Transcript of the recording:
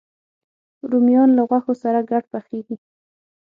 رومیان له غوښو سره ګډ پخېږي